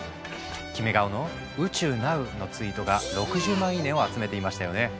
キメ顔の「宇宙なう」のツイートが６０万いいねを集めていましたよね。